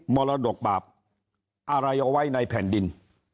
มรดกบาปอะไรเอาไว้ในแผ่นดิน